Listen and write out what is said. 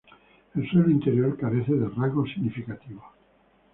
El suelo interior carece de rasgos significativos.